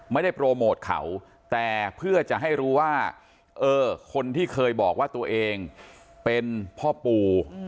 ไม่ได้โปรโมทเขาแต่เพื่อจะให้รู้ว่าคนที่เคยบอกว่าตัวเองเป็นพ่อปู่